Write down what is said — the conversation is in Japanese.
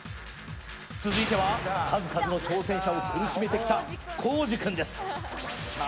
続いては、数々の挑戦者を苦しめてきたコージくんです。